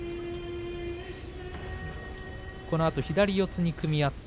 このあと左四つに組み合って。